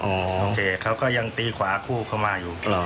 โอเคเขาก็ยังตีขวาคู่เข้ามาอยู่ตลอด